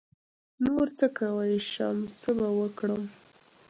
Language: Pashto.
نـور څه کوی شم څه به وکړم.